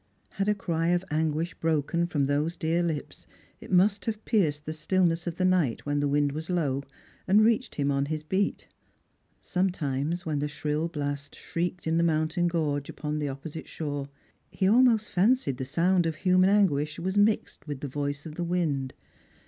Had a cry of anguist broken from those dear lips, it must have cierced the stillness 346 Strangers and Filgriim. of tlie night when the wind was low, and reached him on his beat. Sometimes, when the shrill blast shrieked in the moun tain gorge upon the opposite shore, he almost fancied the sound of human anguish was mixed with the voice of the wind.